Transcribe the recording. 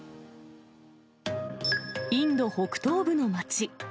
インド北東部の町。